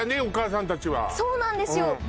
お母さん達はそうなんですよ